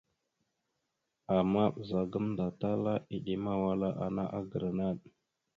Ama ɓəza gamənda tala eɗemawala ana agra naɗ.